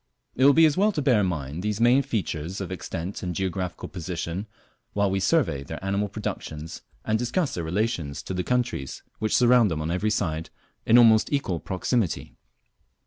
It will be as well to bear in mind these main features of extent and geographical position, while we survey their animal productions and discuss their relations to the countries which surround them on every side in almost equal proximity.